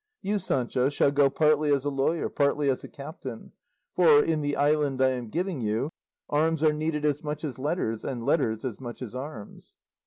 You, Sancho, shall go partly as a lawyer, partly as a captain, for, in the island I am giving you, arms are needed as much as letters, and letters as much as arms."